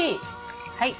はい。